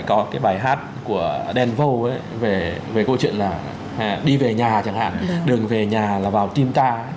chẳng hạn đường về nhà là vào tim ta